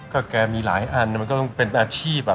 ก็แกมีหลายอันมันก็ต้องเป็นอาชีพ